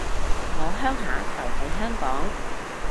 我鄉下就喺香港